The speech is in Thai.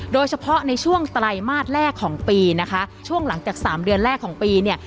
โดยเฉพาะในช่วงไตรมาสแรกของปีนะคะช่วงหลังจากสามเดือนแรกของปีเนี่ย